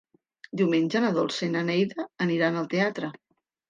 Diumenge na Dolça i na Neida aniran al teatre.